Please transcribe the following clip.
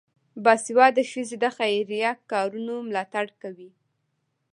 باسواده ښځې د خیریه کارونو ملاتړ کوي.